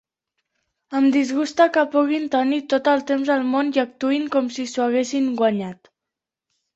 Em disgusta que puguin tenir tot el temps del món i actuïn com si s'ho haguessin guanyat.